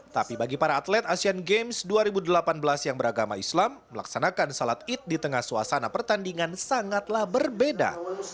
tapi bagi para atlet asian games dua ribu delapan belas yang beragama islam melaksanakan salat id di tengah suasana pertandingan sangatlah berbeda